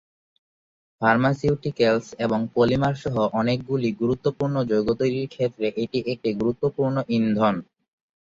Pharmaceuticals এবং polymer সহ অনেকগুলি গুরুত্বপূর্ণ যৌগ তৈরির ক্ষেত্রে এটি একটি গুরুত্বপূর্ণ ইন্ধন।